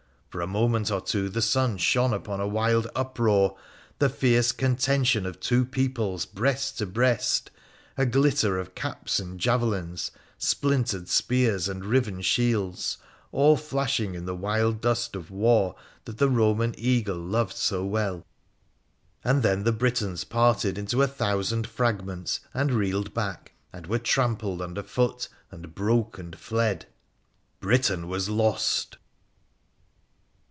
For a moment or two the sun shone upon a wild uproar, the fierce contention of two peoples breast to breast, a glitter of caps and javelins, splintered spears and riven shields, all flashing in the wild dust of war that the Roman Eagle loved so well. And then the Britons parted into a thousand fragments and reeled back, and were trampled under foot, and broke and fled ! Britain was lost